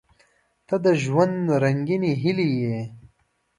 • ته د ژوند رنګینې هیلې یې.